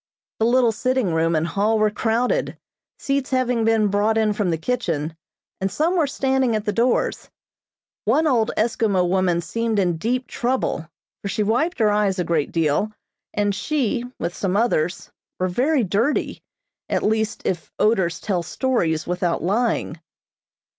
The little sitting room and hall were crowded, seats having been brought in from the kitchen, and some were standing at the doors. One old Eskimo woman seemed in deep trouble, for she wiped her eyes a great deal, and she, with some others, were very dirty, at least if odors tell stories without lying.